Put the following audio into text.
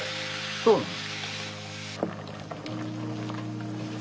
そうなん？